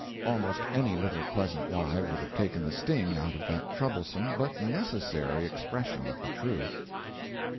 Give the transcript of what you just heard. Almost any little pleasant lie would have taken the sting out of that troublesome but necessary expression of the truth.